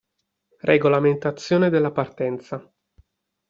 Regolamentazione della partenza.